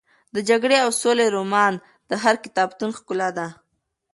د جګړې او سولې رومان د هر کتابتون ښکلا ده.